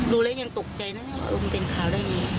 ดูแล้วยังตกใจนะเนี่ยว่ามันเป็นชาวได้มี